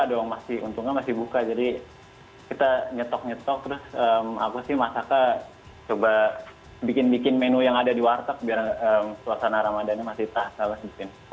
doang masih untungnya masih buka jadi kita nyetok nyetok terus apa sih masaknya coba bikin bikin menu yang ada di warteg biar suasana ramadannya masih tak salah bikin